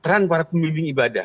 terang para pembimbing ibadah